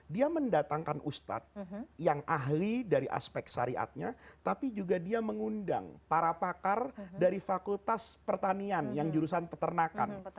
dia mendatangkan ustadz yang ahli dari aspek syariatnya tapi juga dia mengundang para pakar dari fakultas pertanian yang jurusan peternakan